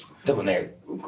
でもね